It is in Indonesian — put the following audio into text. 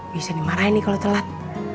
bisa dimarahin nih kalau telat